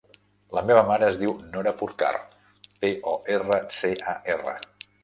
La meva mare es diu Nora Porcar: pe, o, erra, ce, a, erra.